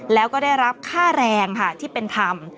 แล้วก็ได้รับค่าแรงค่ะที่เป็นธรรม